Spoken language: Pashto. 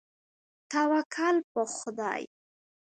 توکل په خدای.